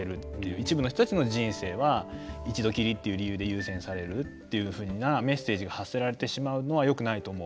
一部の人たちの人生は一度きりという理由で優先されるっていうふうなメッセージが発せられてしまうのはよくないと思う。